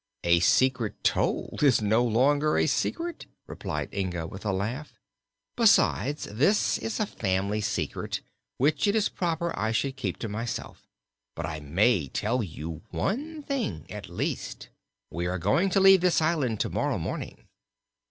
"A secret told is no longer a secret," replied Inga, with a laugh. "Besides, this is a family secret, which it is proper I should keep to myself. But I may tell you one thing, at least: We are going to leave this island to morrow morning."